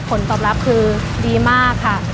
ผลตอบรับคือดีมากค่ะ